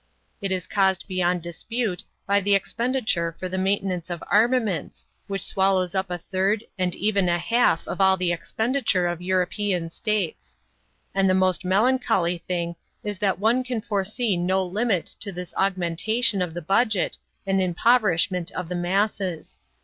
"It is caused beyond dispute by the expenditure for the maintenance of armaments which swallows up a third and even a half of all the expenditure of European states. And the most melancholy thing is that one can foresee no limit to this augmentation of the budget and impoverishment of the masses.